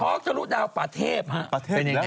เป็นยังไงมั้งอะ